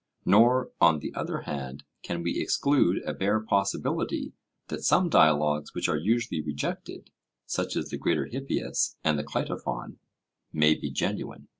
Nor, on the other hand, can we exclude a bare possibility that some dialogues which are usually rejected, such as the Greater Hippias and the Cleitophon, may be genuine.